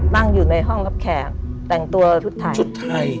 นั่งอยู่ในห้องรับแขกแต่งตัวชุดไทยชุดไทย